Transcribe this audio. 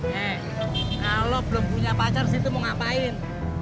hei kalau belum punya pacar sih itu mau ngapain